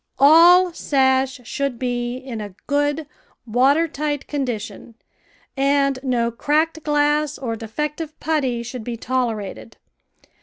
All sash should be in a good water tight condi tion, and no cracked glass or defective putty should be tolerated.